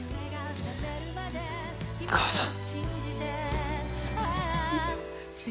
母さん。